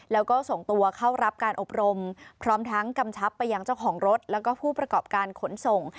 แล้วก็ส่งตัวเข้ารับการอบรมพร้อมทั้งกำชับไปยังเจ้าของรถแล้วก็ผู้ประกอบการขนส่ง